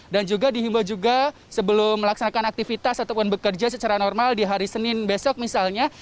dan juga dihimbau juga sebelum melaksanakan aktivitas ataupun bekerja secara normal di hari senin besok misalnya